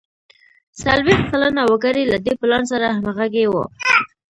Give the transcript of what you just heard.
څلوېښت سلنه وګړي له دې پلان سره همغږي وو.